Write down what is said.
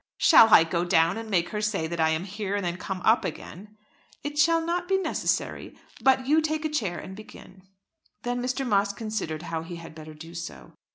"Shall I go down and make her say that I am here, and then come up again?" "It shall not be necessary, but you take a chair and begin!" Then Mr. Moss considered how he had better do so.